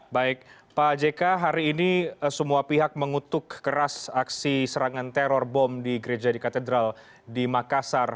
baik pak jk hari ini semua pihak mengutuk keras aksi serangan teror bom di gereja di katedral di makassar